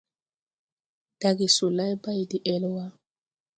Dage solay bay de-́ɛl wà.